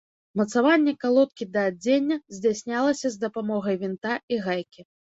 Мацаванне калодкі да адзення здзяйснялася з дапамогай вінта і гайкі.